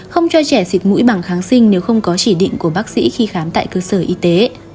không cho trẻ xịt mũi bằng kháng sinh nếu không có chỉ định của bác sĩ khi khám tại cơ sở y tế